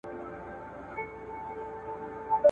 یار به کله راسي، وايي بله ورځ `